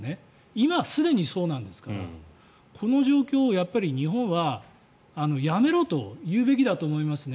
今、すでにそうなんですからこの状況を日本はやめろと言うべきだと思いますね。